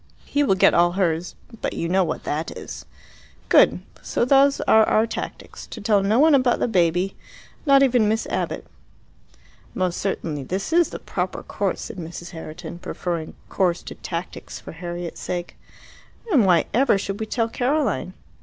"He will get all hers. But you know what that is." "Good. So those are our tactics to tell no one about the baby, not even Miss Abbott." "Most certainly this is the proper course," said Mrs. Herriton, preferring "course" to "tactics" for Harriet's sake. "And why ever should we tell Caroline?"